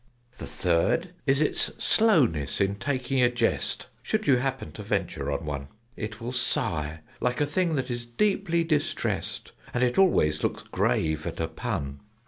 "The third is its slowness in taking a jest. Should you happen to venture on one, It will sigh like a thing that is deeply distressed: And it always looks grave at a pun.